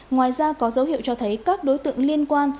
ngoài ra có dấu hiệu cho thấy các đối tượng liên quan